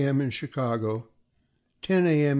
M. in Chicago, 10 A. M.